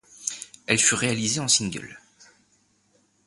Elle fut réalisée en single.